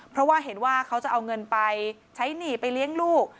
เพราะว่าเห็นว่าเขาจะเอาเงินไปใช้หนี้ไปเลี้ยงลูก